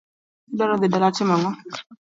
Idwaro dhi dala timo ang'o.